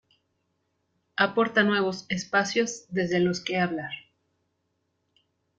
aporta nuevos espacios desde los que hablar